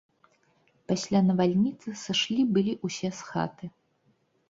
Пасля навальніцы сышлі былі ўсе з хаты.